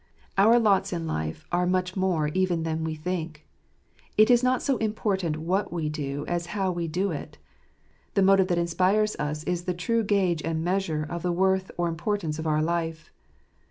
Our lots in life are much more even than we think. It is not so important what we do as how we do it. The ''motive that inspires us is the true gauge and rheasureTif the worth or importance of our life.